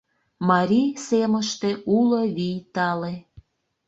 Марий семыште уло вий тале.